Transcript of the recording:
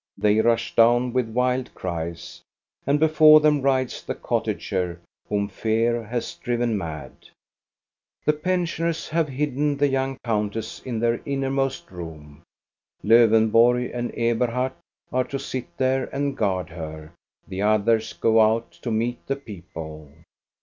They rush down with wild cries, and before them rides the cottager, whom fear has driven mad. The pensioners have hidden the young countess in their innermost room. Lowenborg and Eberhard are to sit there and guard her; the others go out to meet the people.